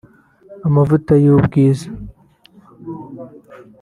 amavuta y’ ubwiza